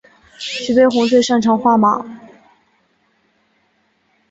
徐悲鸿最擅长画马。